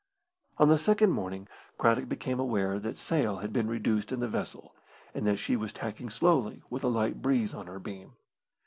On the second morning Craddock became aware that sail had been reduced in the vessel, and that she was tacking slowly, with a light breeze on her beam.